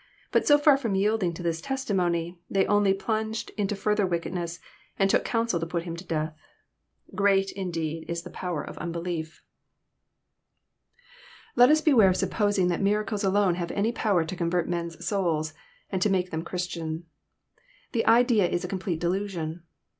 But so far from yielding to this testimony, they only plunged into fhrther wickedness, and " took counsel to put Him to death." Great, indeed, is the power of unbelief 1 292 EXP08IT0BT THOUGHTS. Let us beware of supposing that miracles alone have any power to convert men's souls, and to make them Christians. The idea is a complete delusion.